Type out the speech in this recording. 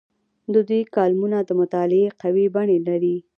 د دوی کالمونه د مطالعې قوي بڼې لري.